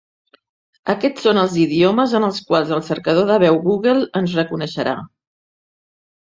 Aquests són els idiomes en els quals el cercador de veu Google ens reconeixerà.